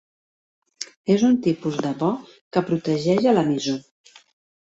És un tipus de bo que protegeix a l'emissor.